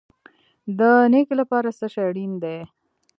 د نیکۍ لپاره څه شی اړین دی؟